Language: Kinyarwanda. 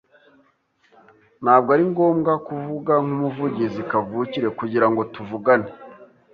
Ntabwo ari ngombwa kuvuga nkumuvugizi kavukire kugirango tuvugane.